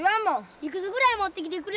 いくつぐらい持ってきてくれるんな？